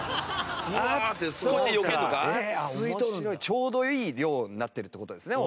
ちょうどいい量になってるって事ですね